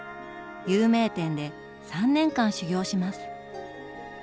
有名店で３年間修業します。